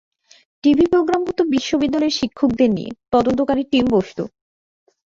TV program হত বিশ্ববিদ্যালয়ের শিক্ষকদের নিয়ে, তদন্তকারী টীম বসত।